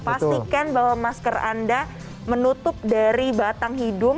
pastikan bahwa masker anda menutup dari batang hidung